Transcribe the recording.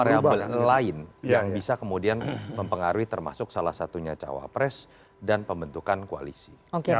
variabel lain yang bisa kemudian mempengaruhi termasuk salah satunya cawapres dan pembentukan koalisi